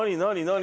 何？